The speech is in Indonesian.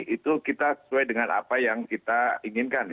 itu kita sesuai dengan apa yang kita inginkan